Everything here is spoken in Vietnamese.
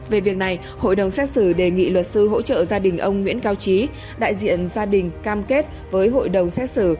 về việc này hội đồng xét xử đề nghị luật sư hỗ trợ gia đình ông nguyễn cao trí đại diện gia đình cam kết với hội đồng xét xử